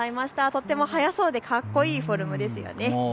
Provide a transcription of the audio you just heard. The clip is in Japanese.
とっても速そうでかっこいいフォルムですよね。